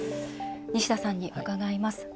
西田さんに伺います。